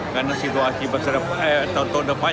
karena situasi tahun depan juga tidak mudah kan